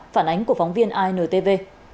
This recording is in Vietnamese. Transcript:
phản ánh của phóng viên intv